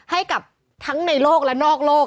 ให้กับทั้งในโลกและนอกโลก